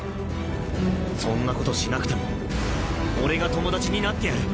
そんなことしなくても俺が友達になってやる。